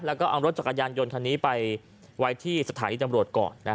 แล้วก็เอารถจักรยานยนต์คันนี้ไปไว้ที่สถานีตำรวจก่อน